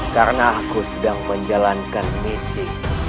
karena aku sedang menjalankan misi